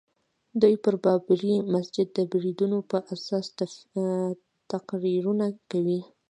دوی پر بابري مسجد د بریدونو په اساس تقریرونه کوي.